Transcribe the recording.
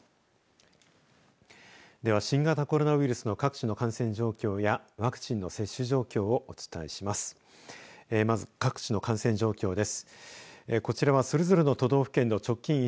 では、新型コロナウイルスの各地の感染状況やワクチンの接種状況をお伝えします。